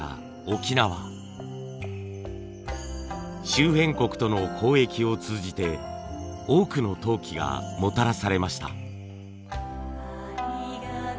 周辺国との交易を通じて多くの陶器がもたらされました。